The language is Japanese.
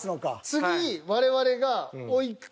次我々が。